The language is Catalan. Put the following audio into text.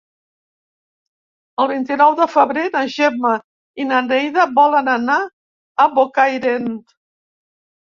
El vint-i-nou de febrer na Gemma i na Neida volen anar a Bocairent.